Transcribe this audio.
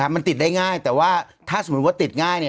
มันติดได้ง่ายแต่ว่าถ้าสมมุติว่าติดง่าย